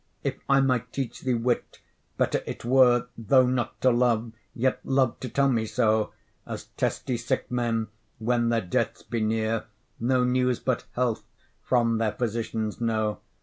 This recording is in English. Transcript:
If I might teach thee wit, better it were, Though not to love, yet love to tell me so, As testy sick men, when their deaths be near, No news but health from their physicians know.